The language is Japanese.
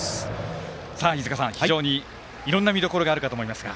飯塚さん、非常にいろんな見どころがあるかと思いますが。